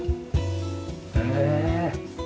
へえ。